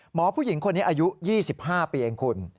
ผู้หญิงคนนี้อายุ๒๕ปีเองคุณ